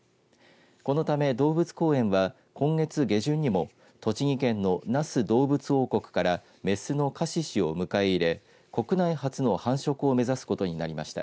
このため動物公園は今月下旬にも栃木県の那須どうぶつ王国から雌のカシシを迎え入れ国内初の繁殖を目指すことになりました。